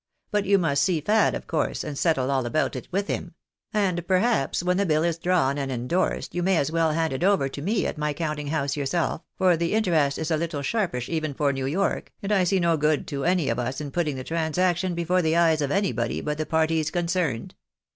" But you must see Fad, of course, and settle all about it with him ; and perhaps when the bill is drawn and endorsed, you may as well hand it over to me at my counting house yourself, for the interest is a little sharpish even for New York, and I see no good to any of us in putting the transaction before the eyes of anybody but the parties concerned.